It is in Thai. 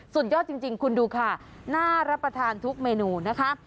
สุดยอดจริงคุณดูค่ะน่ารับประทานทุกเมนูนะคะ